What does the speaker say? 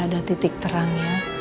ada titik terangnya